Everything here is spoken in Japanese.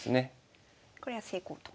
これは成功と。